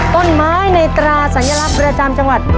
ต้นไม้ในตราสัญลักษณ์ประจำจังหวัด